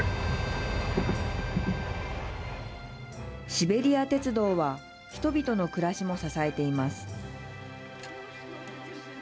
シベリア鉄道は人々の暮らしも支えています。